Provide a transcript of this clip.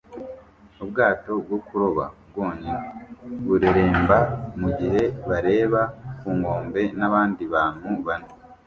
Ubwato bwo kuroba bwonyine bureremba mugihe bareba ku nkombe nabandi bantu bane